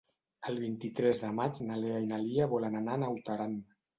El vint-i-tres de maig na Lena i na Lia volen anar a Naut Aran.